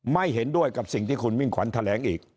ไม่เห็นด้วยกับสิ่งที่คุณมิ่งขวัญแถลงอีก